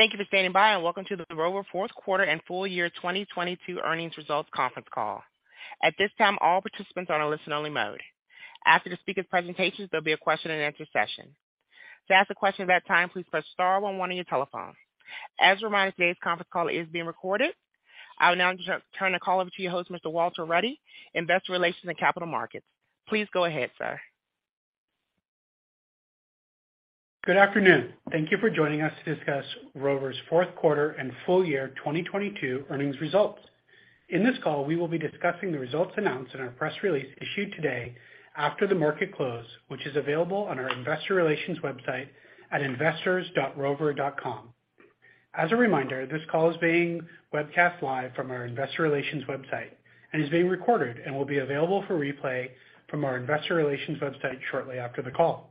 Thank you for standing by and welcome to the Rover fourth quarter and full year 2022 earnings results conference call. At this time, all participants are on a listen only mode. After the speaker presentations, there'll be a question and answer session. To ask a question at that time, please press Star 1 on your telephone. As a reminder, today's conference call is being recorded. I will now turn the call over to your host, Mr. Walter Ruddy, Investor Relations and Capital Markets. Please go ahead, sir. Good afternoon. Thank you for joining us to discuss Rover's 4th quarter and full year 2022 earnings results. In this call, we will be discussing the results announced in our press release issued today after the market close, which is available on our investor relations website at investors.rover.com. As a reminder, this call is being webcast live from our investor relations website and is being recorded and will be available for replay from our investor relations website shortly after the call.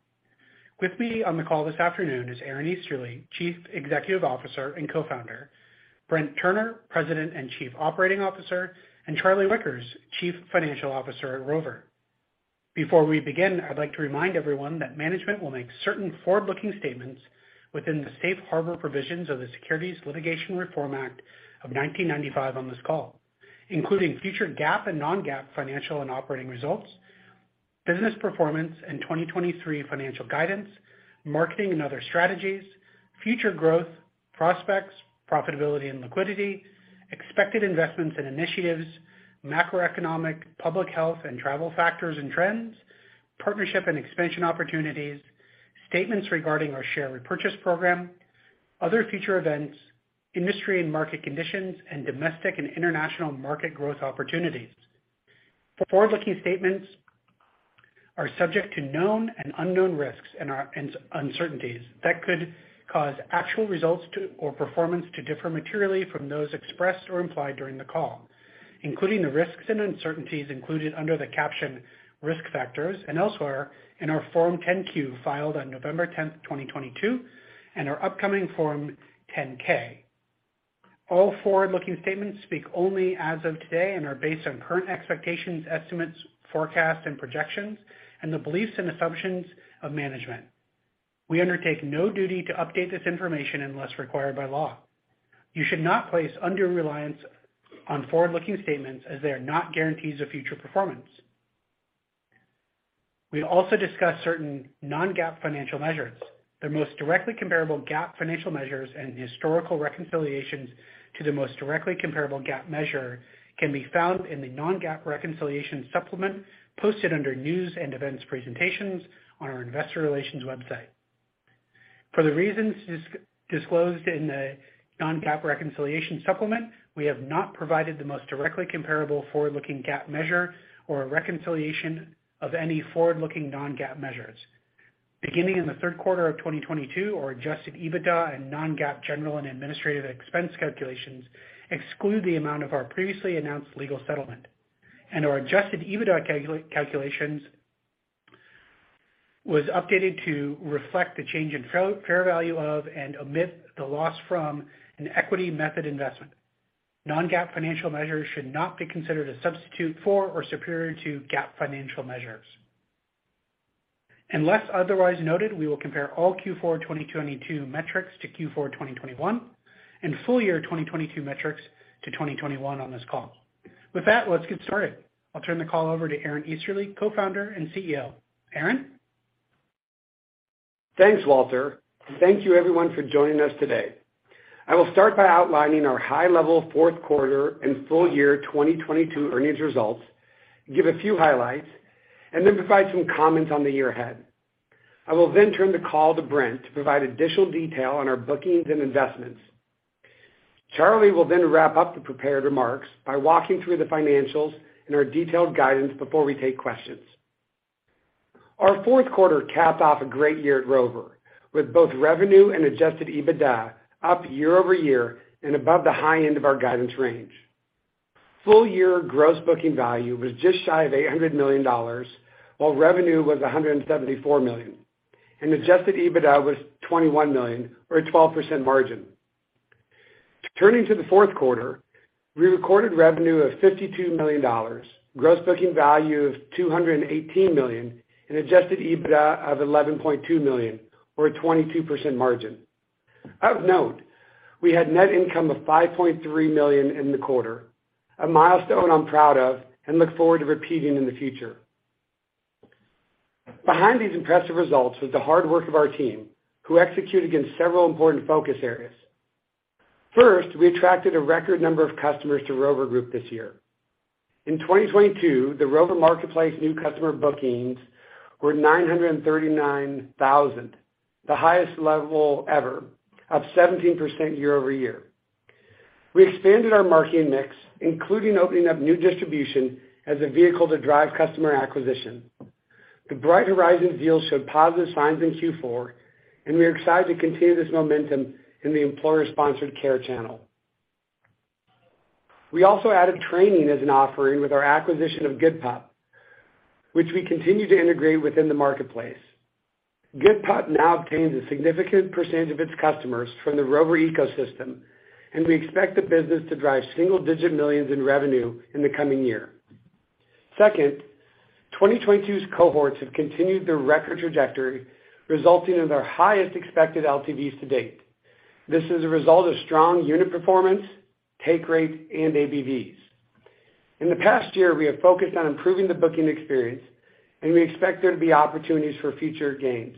With me on the call this afternoon is Aaron Easterly, Chief Executive Officer and Co-founder, Brent Turner, President and Chief Operating Officer, and Charlie Wickers, Chief Financial Officer at Rover. Before we begin, I'd like to remind everyone that management will make certain forward-looking statements within the Safe Harbor provisions of the Securities Litigation Reform Act of 1995 on this call, including future GAAP and non-GAAP financial and operating results, business performance and 2023 financial guidance, marketing and other strategies, future growth, prospects, profitability and liquidity, expected investments and initiatives, macroeconomic, public health and travel factors and trends, partnership and expansion opportunities, statements regarding our share repurchase program, other future events, industry and market conditions, and domestic and international market growth opportunities. For forward-looking statements are subject to known and unknown risks and uncertainties that could cause actual results to or performance to differ materially from those expressed or implied during the call, including the risks and uncertainties included under the caption Risk Factors and elsewhere in our Form 10-Q filed on November 10th, 2022, and our upcoming Form 10-K. All forward-looking statements speak only as of today and are based on current expectations, estimates, forecasts and projections and the beliefs and assumptions of management. We undertake no duty to update this information unless required by law. You should not place undue reliance on forward-looking statements as they are not guarantees of future performance. We also discuss certain non-GAAP financial measures. The most directly comparable GAAP financial measures and historical reconciliations to the most directly comparable GAAP measure can be found in the non-GAAP reconciliation supplement posted under News and Events Presentations on our Investor Relations website. For the reasons disclosed in the non-GAAP reconciliation supplement, we have not provided the most directly comparable forward-looking GAAP measure or a reconciliation of any forward-looking non-GAAP measures. Beginning in the third quarter of 2022, our adjusted EBITDA and non-GAAP general and administrative expense calculations exclude the amount of our previously announced legal settlement. Our adjusted EBITDA calculations was updated to reflect the change in fair value of and omit the loss from an equity method investment. Non-GAAP financial measures should not be considered a substitute for or superior to GAAP financial measures. Unless otherwise noted, we will compare all Q4 2022 metrics to Q4 2021 and full year 2022 metrics to 2021 on this call. Let's get started. I'll turn the call over to Aaron Easterly, Co-founder and CEO. Aaron? Thanks, Walter. Thank you everyone for joining us today. I will start by outlining our high-level fourth quarter and full year 2022 earnings results, give a few highlights, provide some comments on the year ahead. I will turn the call to Brent to provide additional detail on our bookings and investments. Charlie will wrap up the prepared remarks by walking through the financials and our detailed guidance before we take questions. Our fourth quarter capped off a great year at Rover, with both revenue and adjusted EBITDA up year-over-year and above the high end of our guidance range. Full year gross booking value was just shy of $800 million, while revenue was $174 million, and adjusted EBITDA was $21 million or a 12% margin. Turning to the fourth quarter, we recorded revenue of $52 million, gross booking value of $218 million and adjusted EBITDA of $11.2 million or a 22% margin. Of note, we had net income of $5.3 million in the quarter, a milestone I'm proud of and look forward to repeating in the future. Behind these impressive results was the hard work of our team, who execute against several important focus areas. First, we attracted a record number of customers to Rover Group this year. In 2022, the Rover marketplace new customer bookings were 939,000, the highest level ever, up 17% year-over-year. We expanded our marketing mix, including opening up new distribution as a vehicle to drive customer acquisition. The Bright Horizons deal showed positive signs in Q four. We are excited to continue this momentum in the employer-sponsored care channel. We also added training as an offering with our acquisition of GoodPup, which we continue to integrate within the marketplace. GoodPup now obtains a significant percentage of its customers from the Rover ecosystem. We expect the business to drive single-digit millions in revenue in the coming year. Second, 2022's cohorts have continued their record trajectory, resulting in their highest expected LTVs to date. This is a result of strong unit performance, take rate, and ABVs. In the past year, we have focused on improving the booking experience. We expect there to be opportunities for future gains.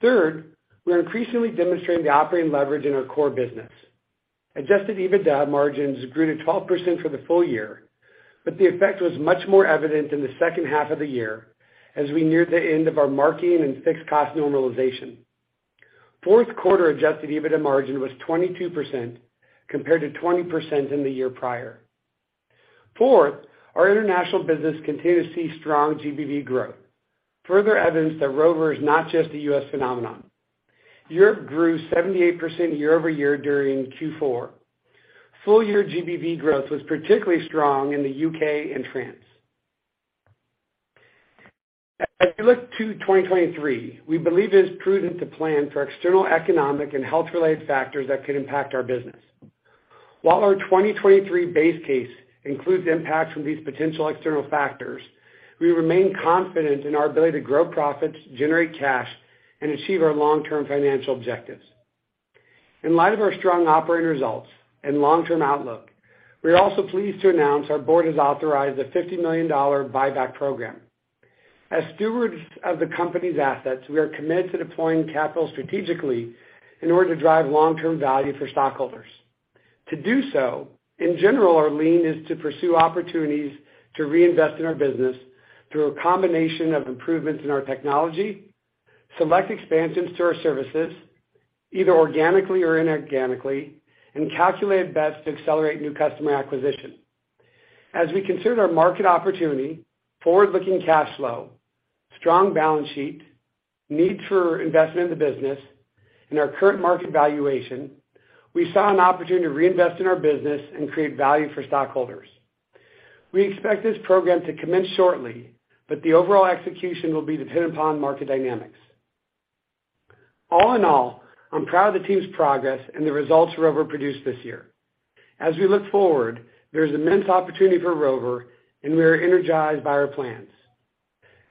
Third, we are increasingly demonstrating the operating leverage in our core business. Adjusted EBITDA margins grew to 12% for the full year, the effect was much more evident in the second half of the year as we neared the end of our marketing and fixed cost normalization. Fourth quarter adjusted EBITDA margin was 22% compared to 20% in the year prior. Fourth, our international business continued to see strong GBV growth, further evidence that Rover is not just a US phenomenon. Europe grew 78% year-over-year during Q4. Full year GBV growth was particularly strong in the UK and France. As we look to 2023, we believe it is prudent to plan for external economic and health-related factors that could impact our business. While our 2023 base case includes impacts from these potential external factors, we remain confident in our ability to grow profits, generate cash, and achieve our long-term financial objectives. In light of our strong operating results and long-term outlook, we are also pleased to announce our board has authorized a $50 million buyback program. As stewards of the company's assets, we are committed to deploying capital strategically in order to drive long-term value for stockholders. To do so, in general, our lean is to pursue opportunities to reinvest in our business through a combination of improvements in our technology, select expansions to our services, either organically or inorganically, and calculate best to accelerate new customer acquisition. As we considered our market opportunity, forward-looking cash flow, strong balance sheet, need for investment in the business, and our current market valuation, we saw an opportunity to reinvest in our business and create value for stockholders. We expect this program to commence shortly, but the overall execution will be dependent upon market dynamics. All in all, I'm proud of the team's progress and the results Rover produced this year. As we look forward, there's immense opportunity for Rover, and we are energized by our plans.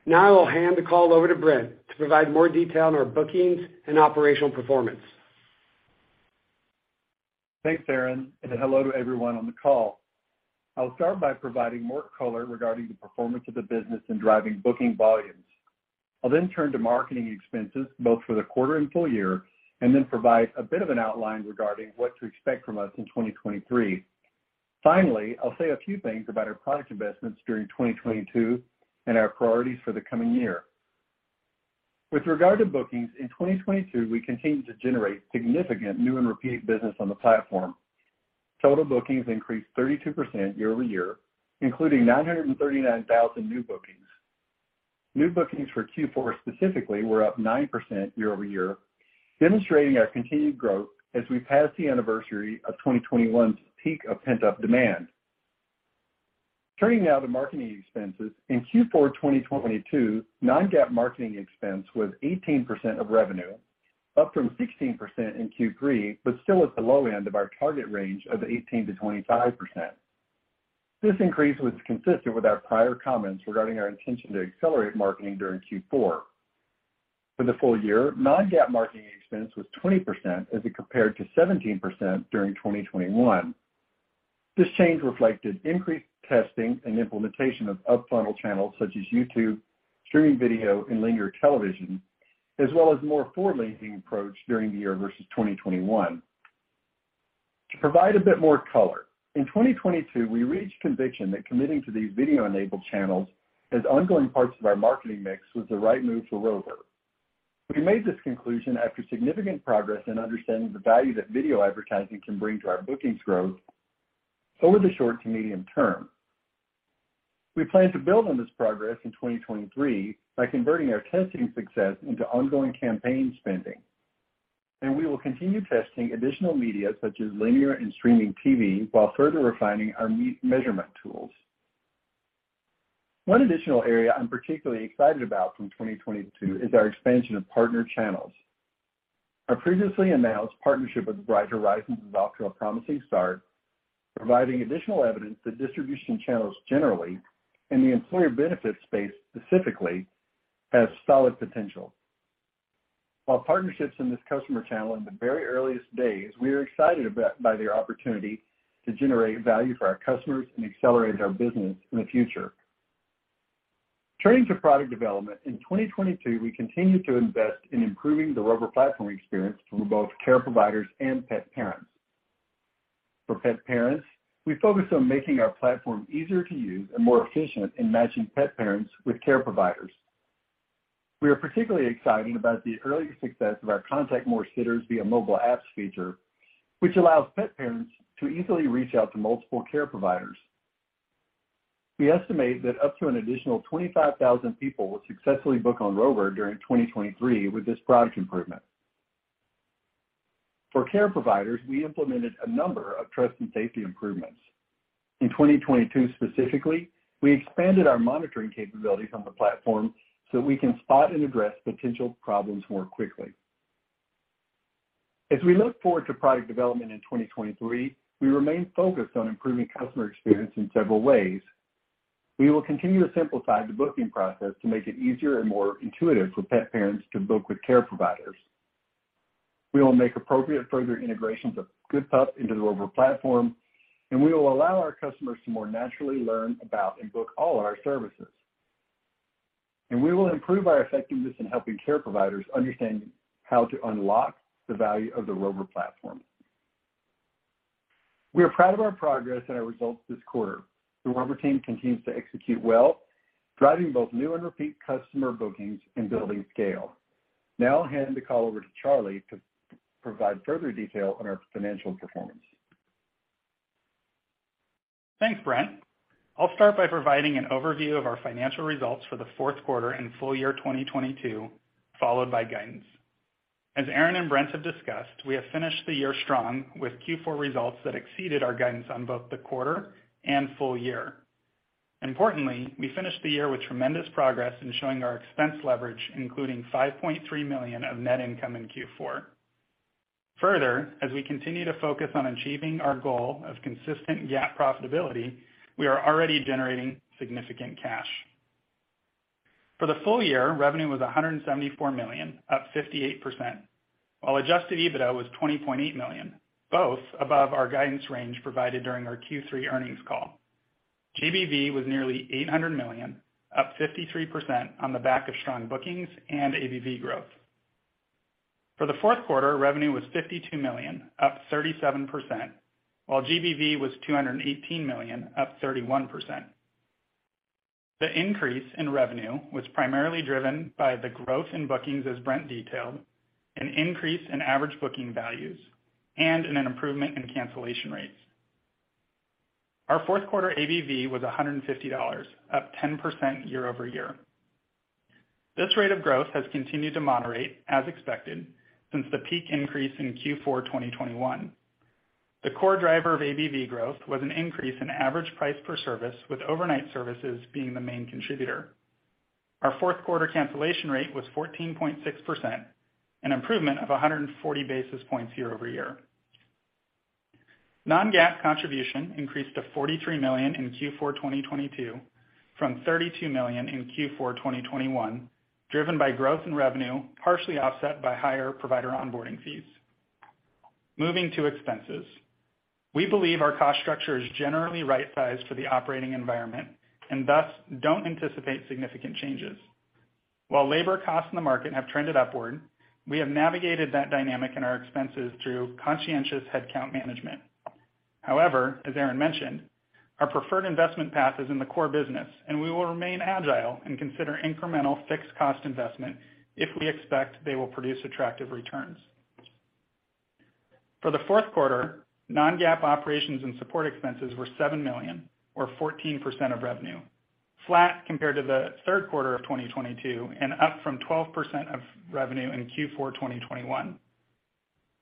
Now I'll hand the call over to Brent to provide more detail on our bookings and operational performance. Thanks, Aaron. Hello to everyone on the call. I'll start by providing more color regarding the performance of the business in driving booking volumes. I'll turn to marketing expenses, both for the quarter and full year, provide a bit of an outline regarding what to expect from us in 2023. Finally, I'll say a few things about our product investments during 2022 and our priorities for the coming year. With regard to bookings, in 2022, we continued to generate significant new and repeat business on the platform. Total bookings increased 32% year-over-year, including 939,000 new bookings. New bookings for Q4 specifically were up 9% year-over-year, demonstrating our continued growth as we passed the anniversary of 2021's peak of pent-up demand. Turning now to marketing expenses. In Q4 2022, non-GAAP marketing expense was 18% of revenue, up from 16% in Q3, still at the low end of our target range of 18%-25%. This increase was consistent with our prior comments regarding our intention to accelerate marketing during Q4. For the full year, non-GAAP marketing expense was 20% as it compared to 17% during 2021. This change reflected increased testing and implementation of up-funnel channels such as YouTube, streaming video, and linear television, as well as a more forward-leaning approach during the year versus 2021. To provide a bit more color, in 2022 we reached conviction that committing to these video-enabled channels as ongoing parts of our marketing mix was the right move for Rover. We made this conclusion after significant progress in understanding the value that video advertising can bring to our bookings growth over the short to medium term. We plan to build on this progress in 2023 by converting our testing success into ongoing campaign spending, and we will continue testing additional media such as linear and streaming TV while further refining our measurement tools. One additional area I'm particularly excited about from 2022 is our expansion of partner channels. Our previously announced partnership with Bright Horizons is off to a promising start, providing additional evidence that distribution channels generally, and the employer benefits space specifically, has solid potential. While partnerships in this customer channel are in the very earliest days, we are excited about by their opportunity to generate value for our customers and accelerate our business in the future. Turning to product development, in 2022 we continued to invest in improving the Rover platform experience for both care providers and pet parents. For pet parents, we focused on making our platform easier to use and more efficient in matching pet parents with care providers. We are particularly excited about the early success of our Contact More Sitters via Mobile Apps feature, which allows pet parents to easily reach out to multiple care providers. We estimate that up to an additional 25,000 people will successfully book on Rover during 2023 with this product improvement. For care providers, we implemented a number of trust and safety improvements. In 2022 specifically, we expanded our monitoring capabilities on the platform so we can spot and address potential problems more quickly. As we look forward to product development in 2023, we remain focused on improving customer experience in several ways. We will continue to simplify the booking process to make it easier and more intuitive for pet parents to book with care providers. We will make appropriate further integrations of GoodPup into the Rover platform. We will allow our customers to more naturally learn about and book all our services. We will improve our effectiveness in helping care providers understand how to unlock the value of the Rover platform. We are proud of our progress and our results this quarter. The Rover team continues to execute well, driving both new and repeat customer bookings and building scale. Now I'll hand the call over to Charlie to provide further detail on our financial performance. Thanks, Brent. I'll start by providing an overview of our financial results for the fourth quarter and full year 2022, followed by guidance. As Aaron and Brent have discussed, we have finished the year strong with Q4 results that exceeded our guidance on both the quarter and full year. Importantly, we finished the year with tremendous progress in showing our expense leverage, including $5.3 million of net income in Q4. Further, as we continue to focus on achieving our goal of consistent GAAP profitability, we are already generating significant cash. For the full year, revenue was $174 million, up 58%, while adjusted EBITDA was $20.8 million, both above our guidance range provided during our Q3 earnings call. GBV was nearly $800 million, up 53% on the back of strong bookings and ABV growth. For the fourth quarter, revenue was $52 million, up 37%, while GBV was $218 million, up 31%. The increase in revenue was primarily driven by the growth in bookings, as Brent detailed, an increase in average booking values, and in an improvement in cancellation rates. Our fourth quarter ABV was $150, up 10% year-over-year. This rate of growth has continued to moderate, as expected, since the peak increase in Q4 2021. The core driver of ABV growth was an increase in average price per service, with overnight services being the main contributor. Our fourth quarter cancellation rate was 14.6%, an improvement of 140 basis points year-over-year. Non-GAAP contribution increased to $43 million in Q4 2022 from $32 million in Q4 2021, driven by growth in revenue, partially offset by higher provider onboarding fees. Moving to expenses. We believe our cost structure is generally right sized for the operating environment and thus don't anticipate significant changes. While labor costs in the market have trended upward, we have navigated that dynamic in our expenses through conscientious headcount management. However, as Aaron mentioned, our preferred investment path is in the core business, and we will remain agile and consider incremental fixed cost investment if we expect they will produce attractive returns. For the fourth quarter, non-GAAP operations and support expenses were $7 million or 14% of revenue, flat compared to the third quarter of 2022 and up from 12% of revenue in Q4 2021.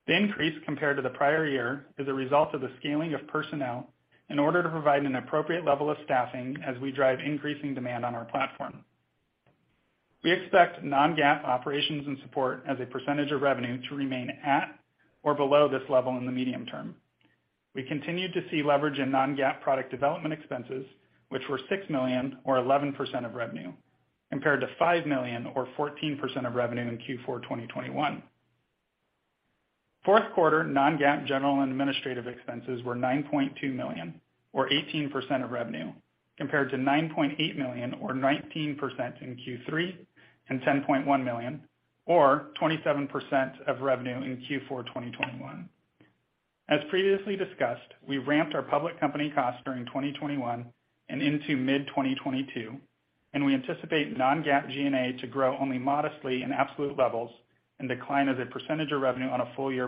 The increase compared to the prior year is a result of the scaling of personnel in order to provide an appropriate level of staffing as we drive increasing demand on our platform. We expect non-GAAP operations and support as a percentage of revenue to remain at or below this level in the medium term. We continued to see leverage in non-GAAP product development expenses, which were $6 million or 11% of revenue, compared to $5 million or 14% of revenue in Q4 2021. Fourth quarter non-GAAP general and administrative expenses were $9.2 million or 18% of revenue, compared to $9.8 million or 19% in Q3 and $10.1 million or 27% of revenue in Q4 2021. As previously discussed, we ramped our public company costs during 2021 and into mid-2022. We anticipate non-GAAP G&A to grow only modestly in absolute levels and decline as a percentage of revenue on a full year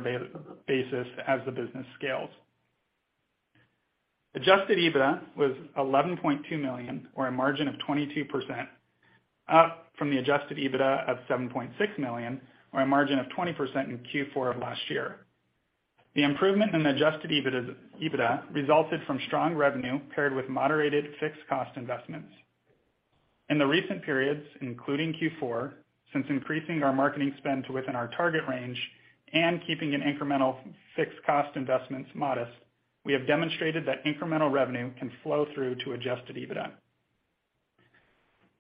basis as the business scales. Adjusted EBITDA was $11.2 million or a margin of 22%, up from the Adjusted EBITDA of $7.6 million or a margin of 20% in Q4 of last year. The improvement in Adjusted EBITDA resulted from strong revenue paired with moderated fixed cost investments. In the recent periods, including Q4, since increasing our marketing spend to within our target range and keeping an incremental fixed cost investments modest, we have demonstrated that incremental revenue can flow through to Adjusted EBITDA.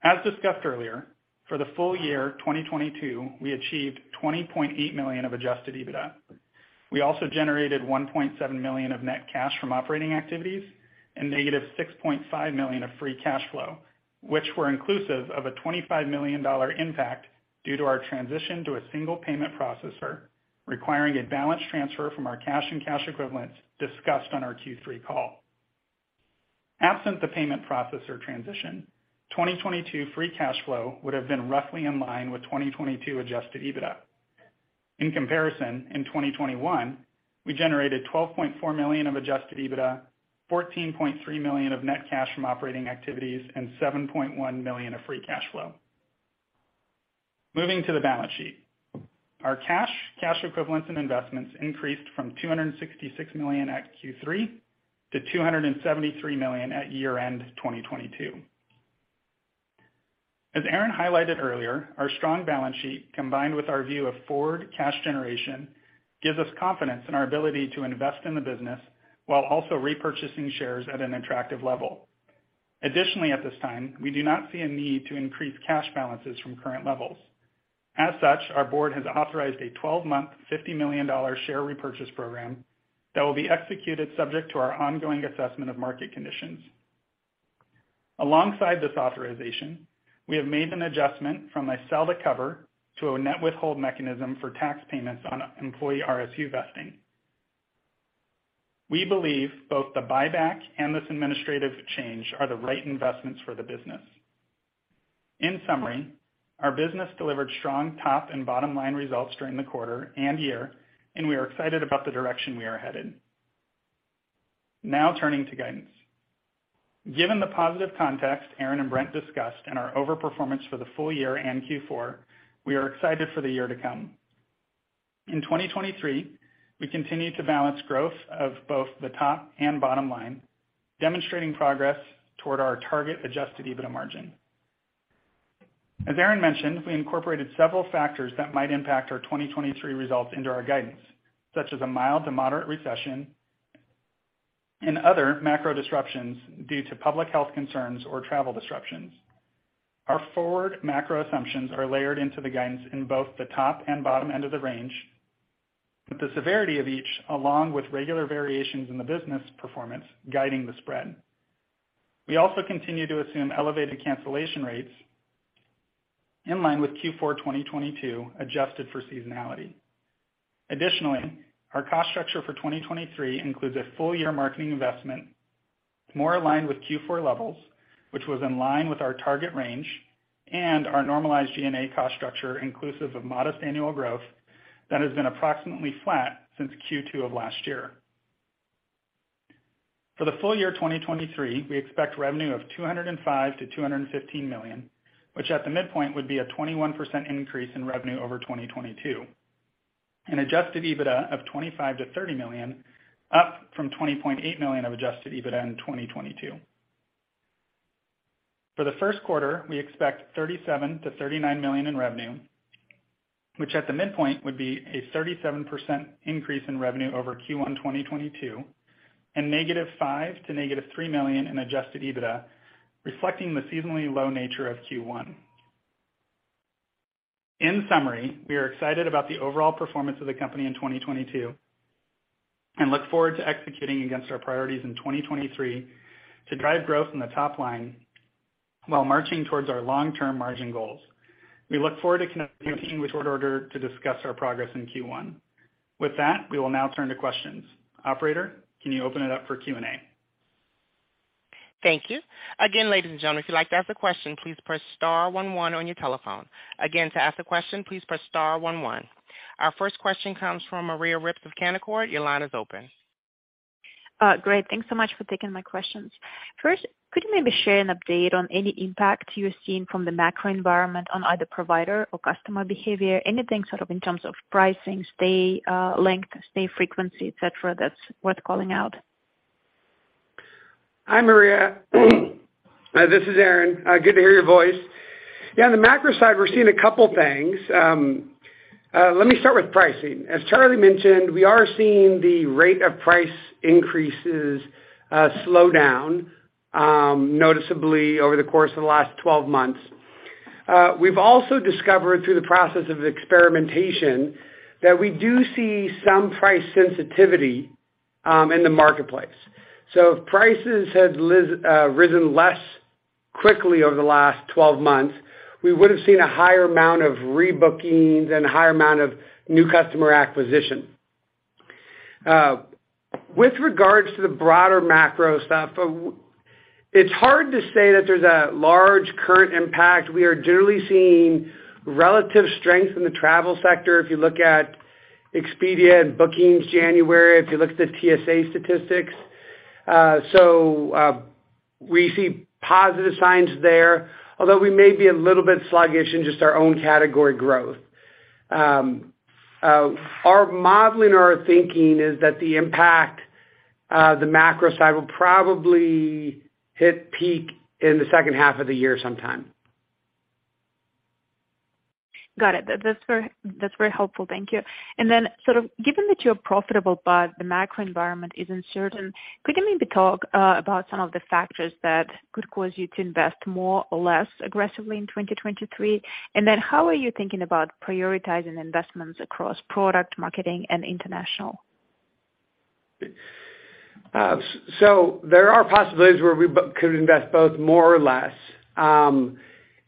As discussed earlier, for the full year 2022, we achieved $20.8 million of Adjusted EBITDA. We also generated $1.7 million of net cash from operating activities and negative $6.5 million of free cash flow, which were inclusive of a $25 million impact due to our transition to a single payment processor, requiring a balance transfer from our cash and cash equivalents discussed on our Q3 call. Absent the payment processor transition, 2022 free cash flow would have been roughly in line with 2022 adjusted EBITDA. In comparison, in 2021, we generated $12.4 million of adjusted EBITDA, $14.3 million of net cash from operating activities, and $7.1 million of free cash flow. Moving to the balance sheet. Our cash equivalents, and investments increased from $266 million at Q3 to $273 million at year-end 2022. As Aaron highlighted earlier, our strong balance sheet, combined with our view of forward cash generation, gives us confidence in our ability to invest in the business while also repurchasing shares at an attractive level. At this time, we do not see a need to increase cash balances from current levels. Our board has authorized a 12-month, $50 million share repurchase program that will be executed subject to our ongoing assessment of market conditions. Alongside this authorization, we have made an adjustment from a sell to cover to a net withhold mechanism for tax payments on employee RSU vesting. We believe both the buyback and this administrative change are the right investments for the business. In summary, our business delivered strong top and bottom line results during the quarter and year, and we are excited about the direction we are headed. Now turning to guidance. Given the positive context Aaron and Brent discussed and our overperformance for the full year and Q4, we are excited for the year to come. In 2023, we continue to balance growth of both the top and bottom line, demonstrating progress toward our target adjusted EBITDA margin. As Aaron mentioned, we incorporated several factors that might impact our 2023 results into our guidance, such as a mild to moderate recession and other macro disruptions due to public health concerns or travel disruptions. Our forward macro assumptions are layered into the guidance in both the top and bottom end of the range, with the severity of each, along with regular variations in the business performance guiding the spread. We also continue to assume elevated cancellation rates in line with Q4 2022, adjusted for seasonality. Additionally, our cost structure for 2023 includes a full year marketing investment more aligned with Q4 levels, which was in line with our target range and our normalized G&A cost structure, inclusive of modest annual growth that has been approximately flat since Q2 of last year. For the full year 2023, we expect revenue of $205 million-$215 million, which at the midpoint would be a 21% increase in revenue over 2022, and adjusted EBITDA of $25 million-$30 million, up from $20.8 million of adjusted EBITDA in 2022. For the first quarter, we expect $37 million-$39 million in revenue, which at the midpoint would be a 37% increase in revenue over Q1 2022, and -$5 million to -$3 million in adjusted EBITDA, reflecting the seasonally low nature of Q1. In summary, we are excited about the overall performance of the company in 2022 and look forward to executing against our priorities in 2023 to drive growth in the top line while marching towards our long-term margin goals. We look forward to connecting with you in short order to discuss our progress in Q1. With that, we will now turn to questions. Operator, can you open it up for Q&A? Thank you. Again, ladies and gentlemen, if you'd like to ask a question, please press star one one on your telephone. To ask a question, please press star one one. Our first question comes from Maria Ripps of Canaccord. Your line is open. Great. Thanks so much for taking my questions. First, could you maybe share an update on any impact you're seeing from the macro environment on either provider or customer behavior? Anything sort of in terms of pricing, stay length, stay frequency, et cetera, that's worth calling out? Hi, Maria. This is Aaron. Good to hear your voice. On the macro side, we're seeing a couple things. Let me start with pricing. As Charlie mentioned, we are seeing the rate of price increases slow down noticeably over the course of the last 12 months. We've also discovered through the process of experimentation that we do see some price sensitivity in the marketplace. If prices had risen less quickly over the last 12 months, we would have seen a higher amount of rebookings and a higher amount of new customer acquisition. With regards to the broader macro stuff, it's hard to say that there's a large current impact. We are generally seeing relative strength in the travel sector if you look at Expedia and bookings January, if you look at the TSA statistics. We see positive signs there, although we may be a little bit sluggish in just our own category growth. Our modeling or our thinking is that the impact of the macro side will probably hit peak in the second half of the year sometime. Got it. That's very helpful. Thank you. Sort of given that you're profitable but the macro environment is uncertain, could you maybe talk about some of the factors that could cause you to invest more or less aggressively in 2023? How are you thinking about prioritizing investments across product marketing and international? So there are possibilities where we could invest both more or less.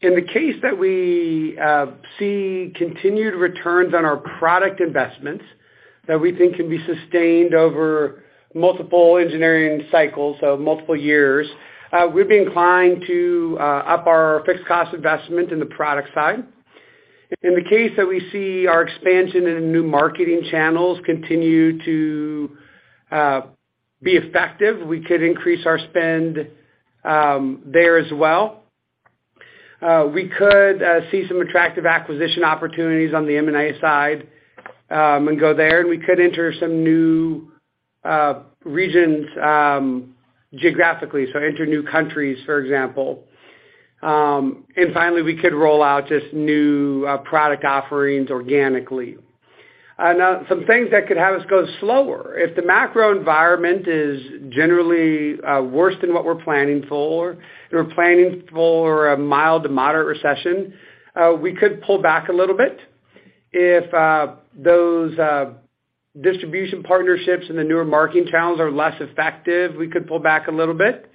In the case that we see continued returns on our product investments that we think can be sustained over multiple engineering cycles, so multiple years, we'd be inclined to up our fixed cost investment in the product side. In the case that we see our expansion in new marketing channels continue to be effective, we could increase our spend there as well. We could see some attractive acquisition opportunities on the M&A side and go there, and we could enter some new regions geographically, so enter new countries, for example. Finally, we could roll out just new product offerings organically. Some things that could have us go slower. If the macro environment is generally worse than what we're planning for, we're planning for a mild to moderate recession, we could pull back a little bit. If those distribution partnerships in the newer marketing channels are less effective, we could pull back a little bit.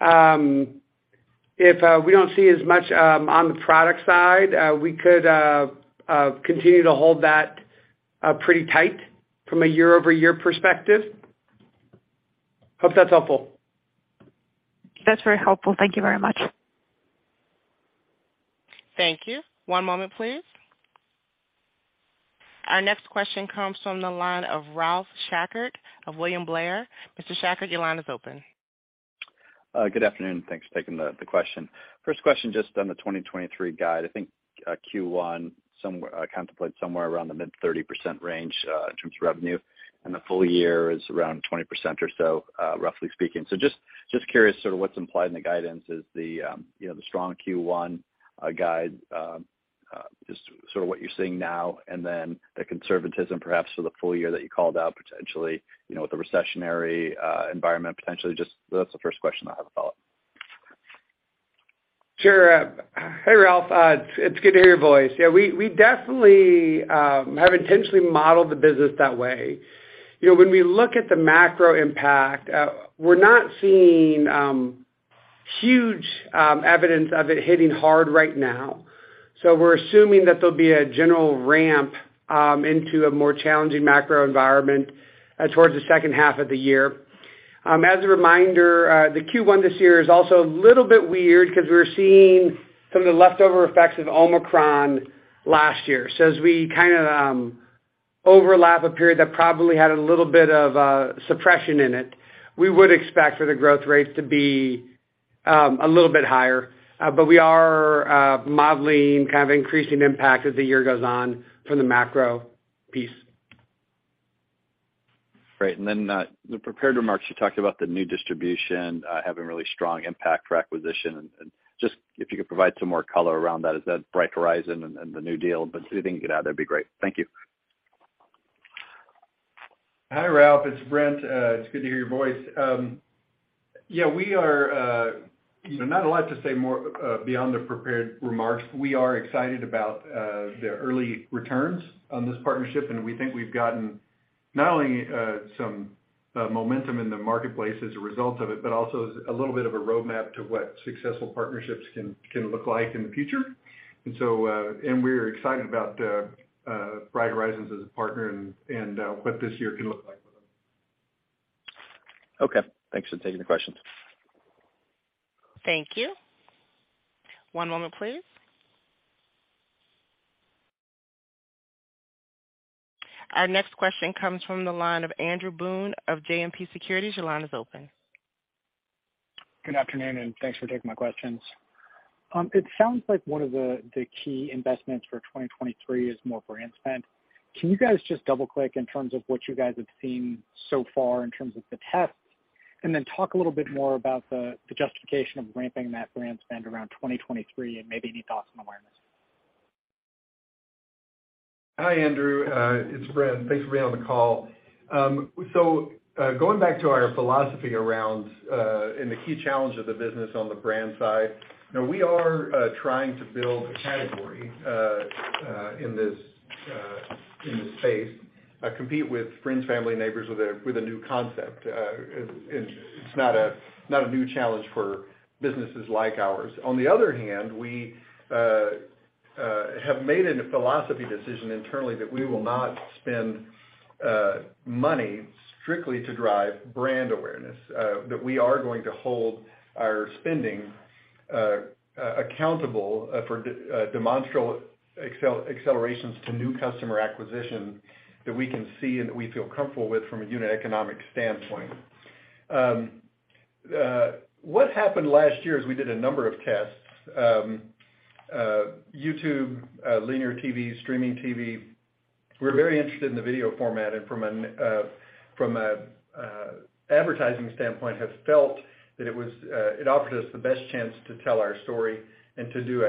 If we don't see as much on the product side, we could continue to hold that pretty tight from a year-over-year perspective. Hope that's helpful. That's very helpful. Thank you very much. Thank you. One moment, please. Our next question comes from the line of Ralph Schackart of William Blair. Mr. Schackart, your line is open. Good afternoon. Thanks for taking the question. First question, just on the 2023 guide. I think Q1 contemplate somewhere around the mid-30% range in terms of revenue, and the full year is around 20% or so, roughly speaking. Just curious sort of what's implied in the guidance. Is the, you know, the strong Q1 guide just sort of what you're seeing now, and then the conservatism perhaps for the full year that you called out potentially, you know, with the recessionary environment potentially? Just that's the first question I have about. Sure. Hey, Ralph. It's good to hear your voice. Yeah, we definitely have intentionally modeled the business that way. You know, when we look at the macro impact, we're not seeing huge evidence of it hitting hard right now, so we're assuming that there'll be a general ramp into a more challenging macro environment towards the second half of the year. As a reminder, the Q1 this year is also a little bit weird 'cause we're seeing some of the leftover effects of Omicron last year. As we kinda overlap a period that probably had a little bit of suppression in it, we would expect for the growth rates to be a little bit higher. We are modeling kind of increasing impact as the year goes on from the macro piece. Great. Then, the prepared remarks, you talked about the new distribution, having really strong impact for acquisition. Just if you could provide some more color around that. Is that Bright Horizons and the new deal? If you didn't get out, it'd be great. Thank you. Hi, Ralph. It's Brent. It's good to hear your voice. Yeah, we are. So not a lot to say more beyond the prepared remarks. We are excited about the early returns on this partnership, and we think we've gotten not only some momentum in the marketplace as a result of it, but also a little bit of a roadmap to what successful partnerships can look like in the future. We're excited about Bright Horizons as a partner and what this year can look like with them. Okay. Thanks for taking the question. Thank you. One moment, please. Our next question comes from the line of Andrew Boone of JMP Securities. Your line is open. Good afternoon, and thanks for taking my questions. It sounds like one of the key investments for 2023 is more brand spend. Can you guys just double-click in terms of what you guys have seen so far in terms of the tests? Talk a little bit more about the justification of ramping that brand spend around 2023 and maybe any thoughts on awareness. Hi, Andrew. It's Brent. Thanks for being on the call. Going back to our philosophy around and the key challenge of the business on the brand side, you know, we are trying to build a category in this in this space, compete with friends, family, neighbors with a new concept. It's not a new challenge for businesses like ours. On the other hand, we have made a philosophy decision internally that we will not spend money strictly to drive brand awareness, that we are going to hold our spending accountable for demonstrable accelerations to new customer acquisition that we can see and that we feel comfortable with from a unit economic standpoint. What happened last year is we did a number of tests, YouTube, linear TV, streaming TV. We're very interested in the video format and from an advertising standpoint, have felt that it offered us the best chance to tell our story and to do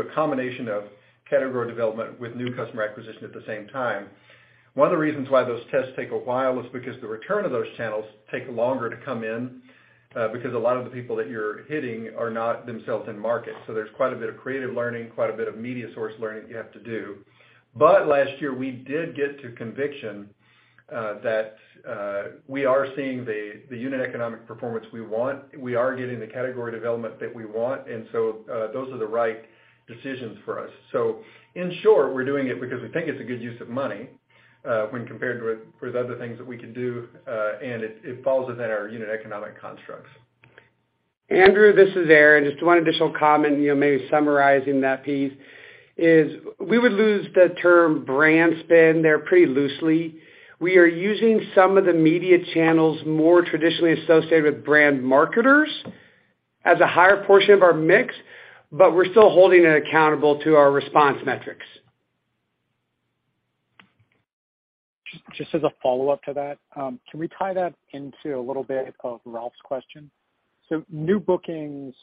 a combination of category development with new customer acquisition at the same time. One of the reasons why those tests take a while is because the return of those channels take longer to come in because a lot of the people that you're hitting are not themselves in market. There's quite a bit of creative learning, quite a bit of media source learning you have to do. Last year, we did get to conviction that we are seeing the unit economic performance we want. We are getting the category development that we want and so, those are the right decisions for us. In short, we're doing it because we think it's a good use of money, when compared with other things that we can do, and it falls within our unit economic constructs. Andrew, this is Aaron. Just one additional comment, you know, maybe summarizing that piece is we would use the term brand spend there pretty loosely. We are using some of the media channels more traditionally associated with brand marketers as a higher portion of our mix, but we're still holding it accountable to our response metrics. Just as a follow-up to that, can we tie that into a little bit of Ralph's question? New bookings,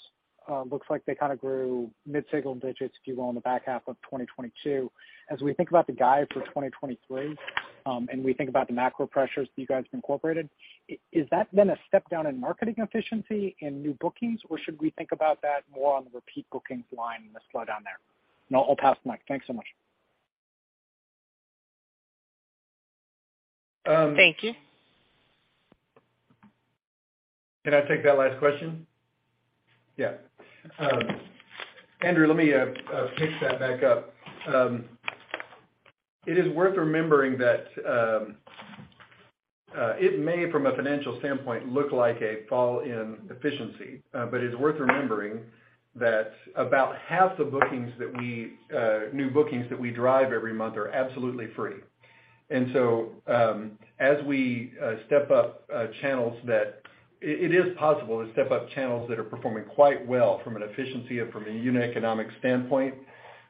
looks like they kind of grew mid-single digits, if you will, in the back half of 2022. As we think about the guide for 2023, we think about the macro pressures that you guys have incorporated, is that then a step down in marketing efficiency in new bookings, or should we think about that more on the repeat bookings line and the slowdown there? I'll pass the mic. Thanks so much. Thank you. Can I take that last question? Yeah. Andrew, let me pick that back up. It is worth remembering that it may, from a financial standpoint, look like a fall in efficiency. It's worth remembering that about half the bookings that new bookings that we drive every month are absolutely free. As we step up channels that it is possible to step up channels that are performing quite well from an efficiency and from a unit economic standpoint,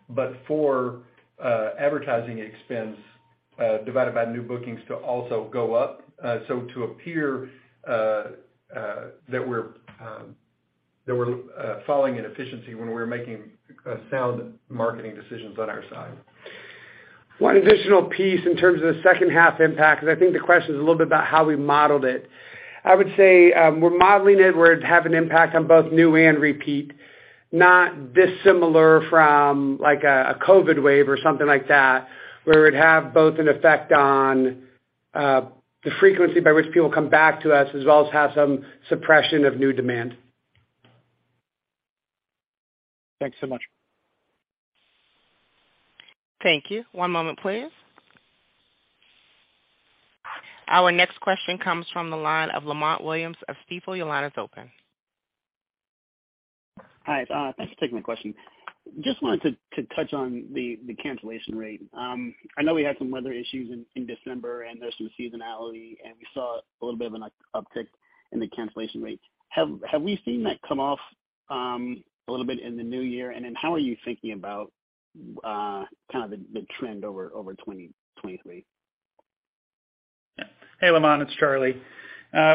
but for advertising expense divided by new bookings to also go up. To appear that we're falling in efficiency when we're making sound marketing decisions on our side. One additional piece in terms of the second half impact, because I think the question is a little bit about how we modeled it. I would say, we're modeling it where it would have an impact on both new and repeat, not dissimilar from like a COVID wave or something like that, where it would have both an effect on the frequency by which people come back to us, as well as have some suppression of new demand. Thanks so much. Thank you. One moment, please. Our next question comes from the line of Lamont Williams of Stifel. Your line is open. Hi, thanks for taking my question. Just wanted to touch on the cancellation rate. I know we had some weather issues in December, and there's some seasonality, and we saw a little bit of an uptick in the cancellation rate. Have we seen that come off a little bit in the new year? How are you thinking about kind of the trend over 2023? Hey, Lamont, it's Charlie.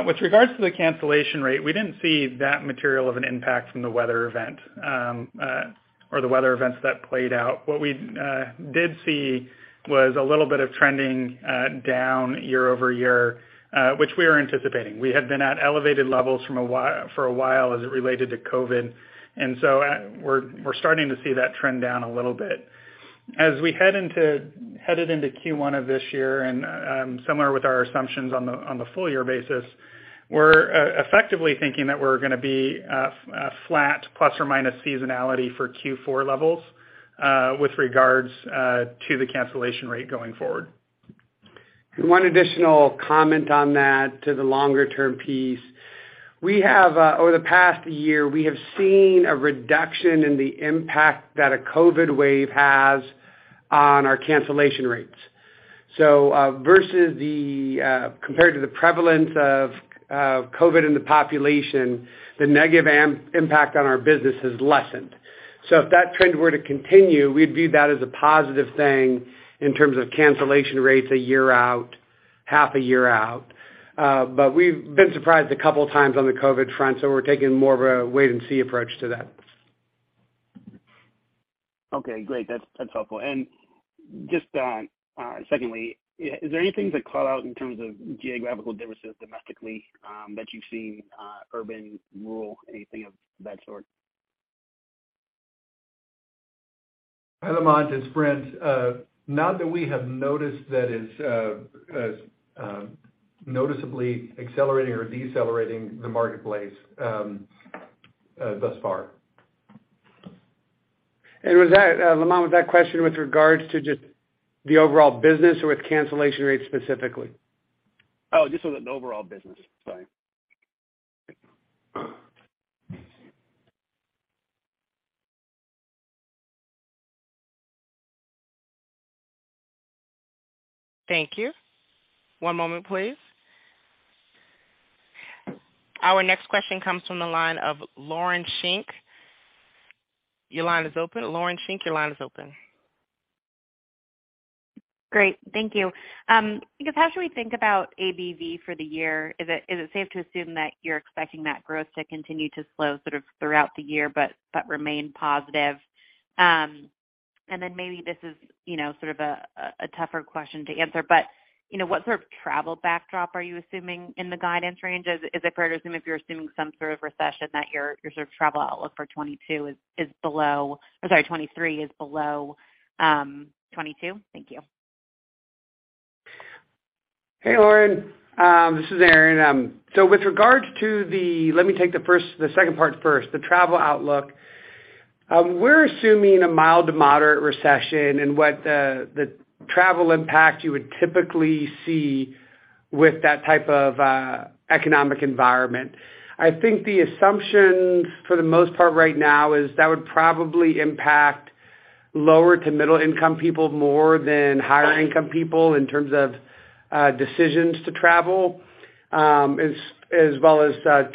With regards to the cancellation rate, we didn't see that material of an impact from the weather event or the weather events that played out. What we did see was a little bit of trending down year-over-year, which we are anticipating. We had been at elevated levels for a while as it related to COVID. We're starting to see that trend down a little bit. As we headed into Q1 of this year, similar with our assumptions on the full year basis, we're effectively thinking that we're gonna be flat ± seasonality for Q4 levels with regards to the cancellation rate going forward. One additional comment on that to the longer-term piece. We have, over the past year, we have seen a reduction in the impact that a COVID wave has on our cancellation rates. Versus the, compared to the prevalence of COVID in the population, the negative impact on our business has lessened. If that trend were to continue, we'd view that as a positive thing in terms of cancellation rates a year out, half a year out. We've been surprised a couple times on the COVID front, so we're taking more of a wait and see approach to that. Okay, great. That's helpful. Just, secondly, is there anything that caught out in terms of geographical differences domestically, that you've seen, urban, rural, anything of that sort? Hi, Lamont, it's Brent. Not that we have noticed that is noticeably accelerating or decelerating the marketplace thus far. Was that, Lamont, was that question with regards to just the overall business or with cancellation rates specifically? Just with the overall business. Sorry. Thank you. One moment, please. Our next question comes from the line of Lauren Schenk. Your line is open. Lauren Schenk, your line is open. Great. Thank you. I guess, as we think about ABV for the year, is it safe to assume that you're expecting that growth to continue to slow sort of throughout the year, but remain positive? Maybe this is, you know, sort of a tougher question to answer, but, you know, what sort of travel backdrop are you assuming in the guidance range? Is it fair to assume if you're assuming some sort of recession that your sort of travel outlook for 2023 is below 2022? Thank you. Hey, Lauren, this is Aaron. With regards to the Let me take the second part first, the travel outlook. We're assuming a mild to moderate recession and what the travel impact you would typically see with that type of economic environment. I think the assumption for the most part right now is that would probably impact lower to middle income people more than higher income people in terms of decisions to travel, as well as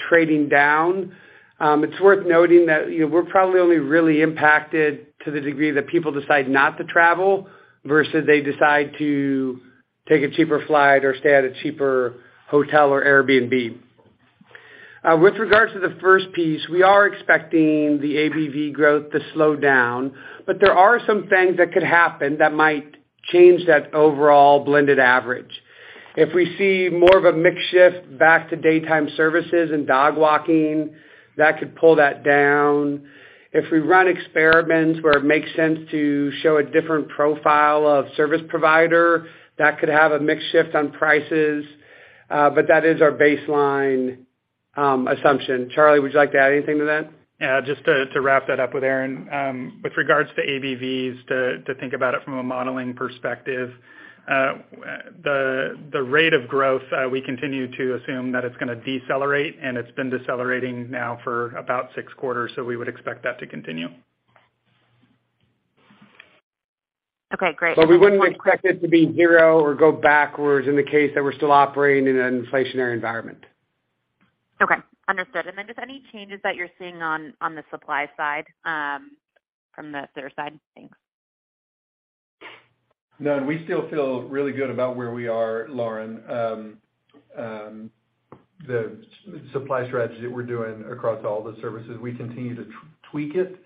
trading down. It's worth noting that, you know, we're probably only really impacted to the degree that people decide not to travel versus they decide to take a cheaper flight or stay at a cheaper hotel or Airbnb. With regards to the first piece, we are expecting the ABV growth to slow down. There are some things that could happen that might change that overall blended average. If we see more of a mix shift back to daytime services and dog walking, that could pull that down. If we run experiments where it makes sense to show a different profile of service provider, that could have a mix shift on prices. That is our baseline assumption. Charlie, would you like to add anything to that? Just to wrap that up with Aaron. With regards to ABVs, to think about it from a modeling perspective, the rate of growth, we continue to assume that it's going to decelerate, and it's been decelerating now for about 6 quarters, so we would expect that to continue. Okay, great. We wouldn't expect it to be zero or go backwards in the case that we're still operating in an inflationary environment. Okay. Understood. Just any changes that you're seeing on the supply side, from the Sitter side? Thanks. No, we still feel really good about where we are, Lauren. The supply strategy that we're doing across all the services, we continue to tweak it,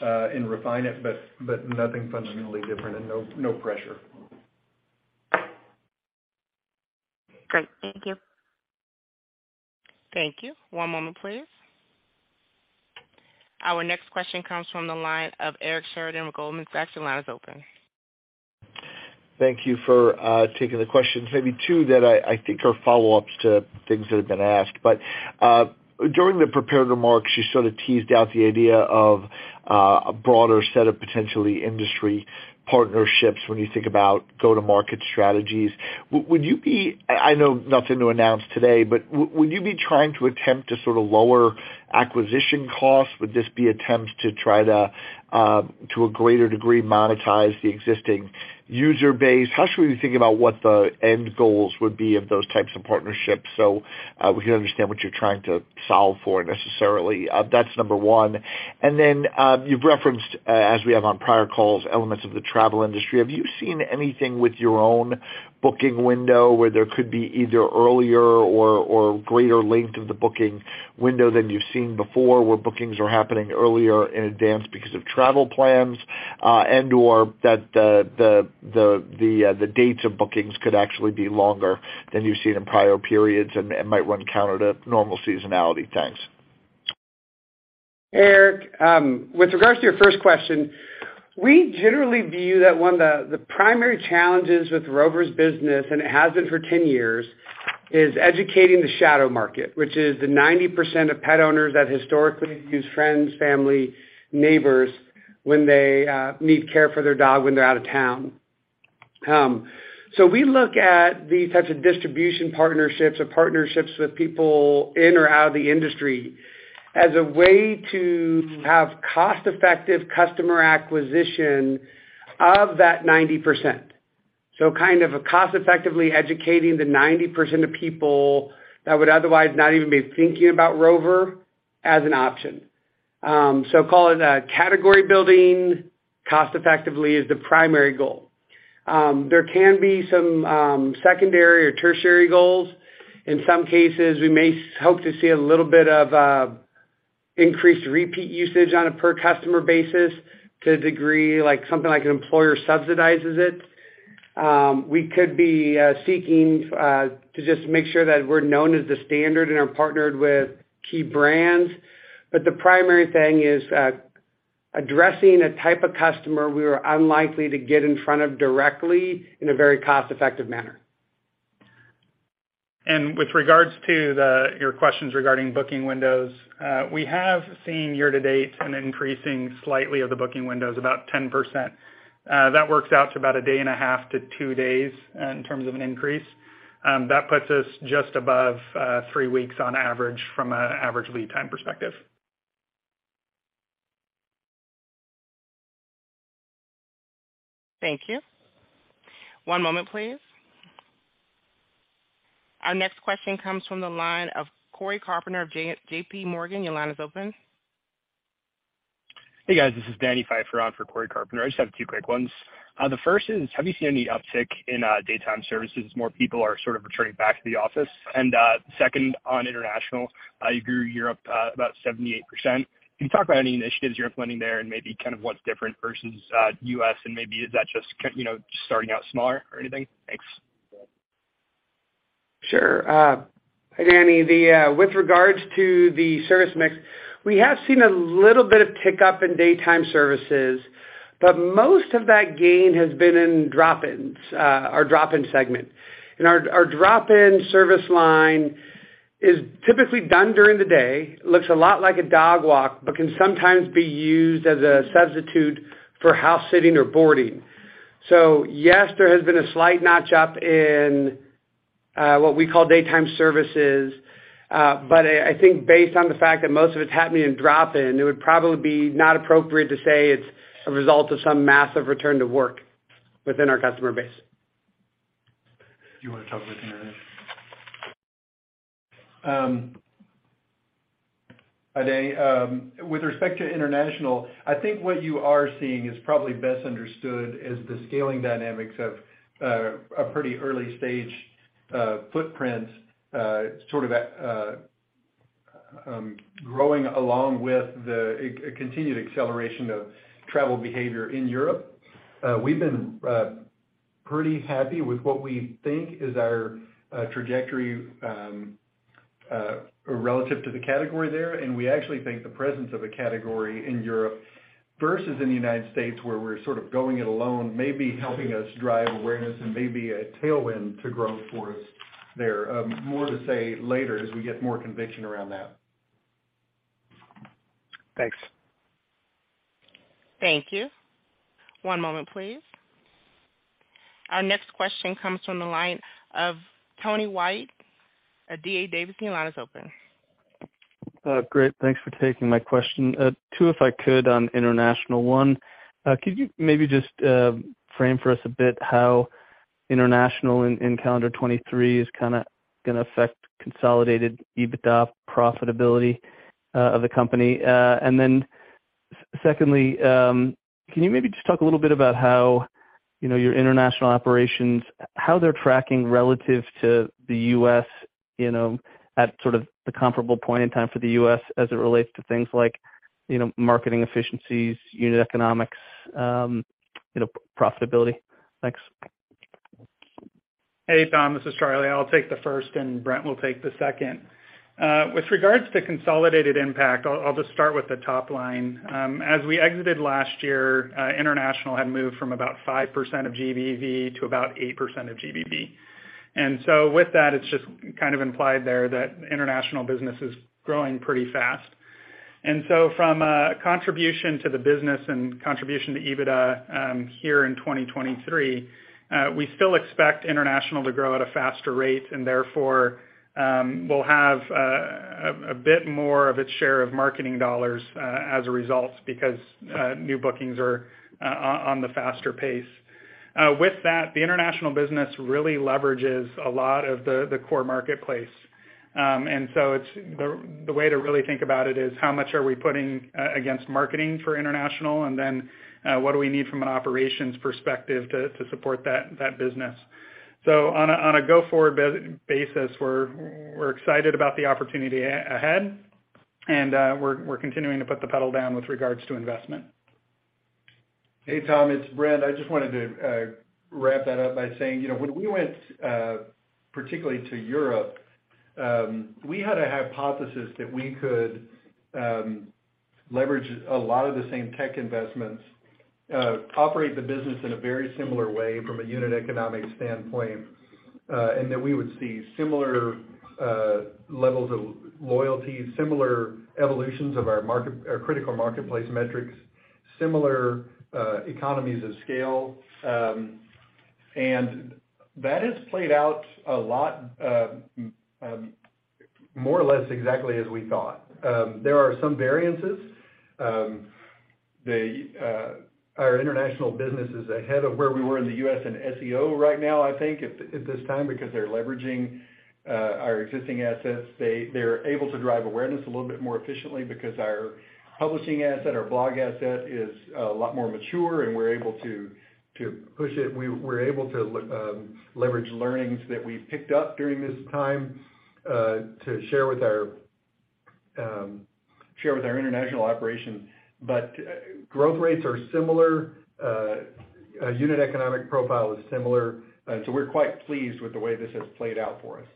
and refine it, but nothing fundamentally different and no pressure. Great. Thank you. Thank you. One moment, please. Our next question comes from the line of Eric Sheridan with Goldman Sachs. Your line is open. Thank you for taking the questions. Maybe two that I think are follow-ups to things that have been asked, but during the prepared remarks, you sort of teased out the idea of a broader set of potentially industry partnerships when you think about go-to-market strategies. I know nothing to announce today, but would you be trying to attempt to sort of lower acquisition costs? Would this be attempt to try to to a greater degree, monetize the existing user base? How should we be thinking about what the end goals would be of those types of partnerships so we can understand what you're trying to solve for necessarily? That's number one. Then you've referenced, as we have on prior calls, elements of the travel industry. Have you seen anything with your own booking window where there could be either earlier or greater length of the booking window than you've seen before, where bookings are happening earlier in advance because of travel plans, and/or that the dates of bookings could actually be longer than you've seen in prior periods and might run counter to normal seasonality? Thanks. Eric, with regards to your first question, we generally view that one of the primary challenges with Rover's business, and it has been for 10 years, is educating the shadow market, which is the 90% of pet owners that historically use friends, family, neighbors when they need care for their dog when they're out of town. We look at these types of distribution partnerships or partnerships with people in or out of the industry as a way to have cost-effective customer acquisition of that 90%. Kind of a cost effectively educating the 90% of people that would otherwise not even be thinking about Rover as an option. Call it a category building cost effectively is the primary goal. There can be some secondary or tertiary goals. In some cases, we may hope to see a little bit of increased repeat usage on a per customer basis to a degree, like something like an employer subsidizes it. We could be seeking to just make sure that we're known as the standard and are partnered with key brands. The primary thing is addressing a type of customer we are unlikely to get in front of directly in a very cost-effective manner. With regards to the, your questions regarding booking windows, we have seen year to date an increasing slightly of the booking windows about 10%. That works out to about a day and a half to 2 days in terms of an increase. That puts us just above three weeks on average from an average lead time perspective. Thank you. One moment, please. Our next question comes from the line of Cory Carpenter of J.P. Morgan. Your line is open. Hey, guys. This is Danny Pfeiffer on for Cory Carpenter. I just have two quick ones. The first is, have you seen any uptick in daytime services as more people are sort of returning back to the office? Second on international, you grew Europe about 78%. Can you talk about any initiatives you're planning there and maybe kind of what's different versus U.S. and maybe is that just you know, just starting out smaller or anything? Thanks. Sure. Hi, Danny. With regards to the service mix, we have seen a little bit of pickup in daytime services, but most of that gain has been in drop-ins, our drop-in segment. Our drop-in service line is typically done during the day, looks a lot like a dog walk, but can sometimes be used as a substitute for house sitting or boarding. Yes, there has been a slight notch up in What we call daytime services. I think based on the fact that most of it's happening in drop-in, it would probably be not appropriate to say it's a result of some massive return to work within our customer base. Do you wanna talk international? uncertain with respect to international, I think what you are seeing is probably best understood as the scaling dynamics of a pretty early stage footprint, sort of at growing along with the continued acceleration of travel behavior in Europe. We've been pretty happy with what we think is our trajectory relative to the category there, and we actually think the presence of a category in Europe versus in the United States, where we're sort of going it alone, may be helping us drive awareness and may be a tailwind to growth for us there. More to say later as we get more conviction around that. Thanks. Thank you. One moment please. Our next question comes from the line of Tom White at D.A. Davidson. Your line is open. Great. Thanks for taking my question. Two, if I could, on international. One, could you maybe just frame for us a bit how international in calendar 2023 is kinda gonna affect consolidated EBITDA profitability of the company? Then secondly, can you maybe just talk a little bit about how, you know, your international operations, how they're tracking relative to the US, you know, at sort of the comparable point in time for the US as it relates to things like, you know, marketing efficiencies, unit economics, you know, profitability? Thanks. Hey, Tom, this is Charlie. I'll take the first. Brent will take the second. With regards to consolidated impact, I'll just start with the top line. As we exited last year, international had moved from about 5% of GBV to about 8% of GBV. With that, it's just kind of implied there that international business is growing pretty fast. From a contribution to the business and contribution to EBITDA, here in 2023, we still expect international to grow at a faster rate, therefore, we'll have a bit more of its share of marketing dollars as a result because new bookings are on the faster pace. With that, the international business really leverages a lot of the core marketplace. It's the way to really think about it is how much are we putting against marketing for international, and then, what do we need from an operations perspective to support that business. On a go-forward basis, we're excited about the opportunity ahead, and, we're continuing to put the pedal down with regards to investment. Hey, Tom, it's Brent. I just wanted to wrap that up by saying, you know, when we went particularly to Europe, we had a hypothesis that we could leverage a lot of the same tech investments, operate the business in a very similar way from a unit economic standpoint, and that we would see similar levels of loyalty, similar evolutions of our critical marketplace metrics, similar economies of scale. That has played out a lot more or less exactly as we thought. There are some variances. Our international business is ahead of where we were in the U.S. and SEO right now, I think, at this time because they're leveraging our existing assets. They're able to drive awareness a little bit more efficiently because our publishing asset, our blog asset is a lot more mature, and we're able to push it. We're able to leverage learnings that we've picked up during this time to share with our international operations. Growth rates are similar. Unit economic profile is similar. We're quite pleased with the way this has played out for us.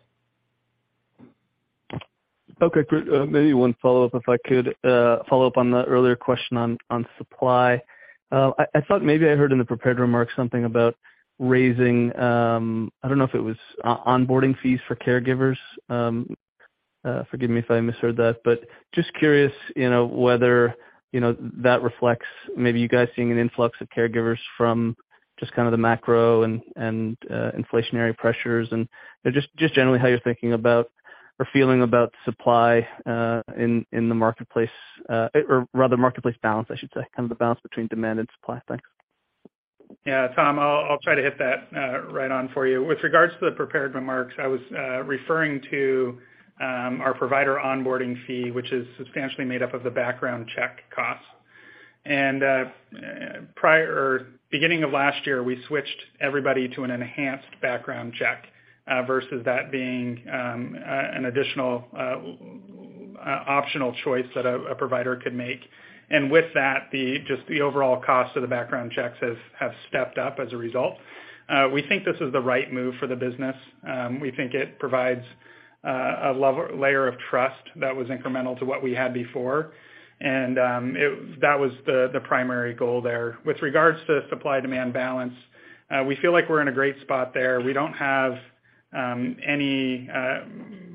Okay, great. Maybe one follow-up if I could follow up on the earlier question on supply. I thought maybe I heard in the prepared remarks something about raising, I don't know if it was onboarding fees for caregivers. Forgive me if I misheard that. Just curious, you know, whether, you know, that reflects maybe you guys seeing an influx of caregivers from just kinda the macro and inflationary pressures and just generally how you're thinking about or feeling about supply in the marketplace, or rather marketplace balance, I should say, kind of the balance between demand and supply? Thanks. Yeah, Tom, I'll try to hit that right on for you. With regards to the prepared remarks, I was referring to our provider onboarding fee, which is substantially made up of the background check costs. Prior or beginning of last year, we switched everybody to an enhanced background check versus that being an additional optional choice that a provider could make. With that, just the overall cost of the background checks have stepped up as a result. We think this is the right move for the business. We think it provides a layer of trust that was incremental to what we had before, and that was the primary goal there. With regards to supply-demand balance, we feel like we're in a great spot there. We don't have any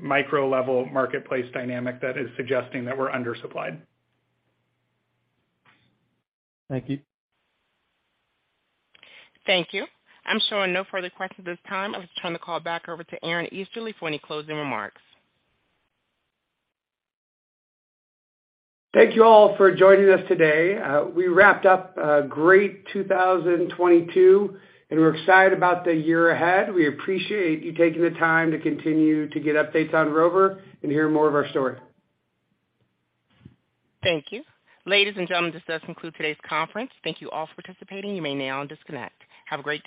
micro level marketplace dynamic that is suggesting that we're undersupplied. Thank you. Thank you. I'm showing no further questions at this time. I'll just turn the call back over to Aaron Easterly for any closing remarks. Thank you all for joining us today. We wrapped up a great 2022, and we're excited about the year ahead. We appreciate you taking the time to continue to get updates on Rover and hear more of our story. Thank you. Ladies and gentlemen, this does conclude today's conference. Thank you all for participating. You may now disconnect. Have a great day.